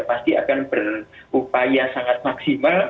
pasti akan berupaya sangat maksimal